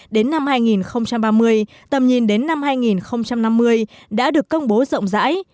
đến năm hai nghìn ba mươi tầm nhìn đến năm hai nghìn năm mươi đã được công bố rộng rãi